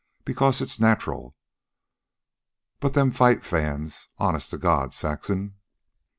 Because it's natural. But them fight fans! Honest to God, Saxon...."